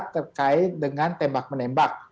terkait dengan tembak menembak